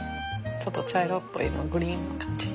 ちょっと茶色っぽい色グリーンな感じ。